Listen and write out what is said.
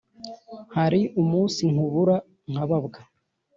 hari umunsi nkubura nkababwa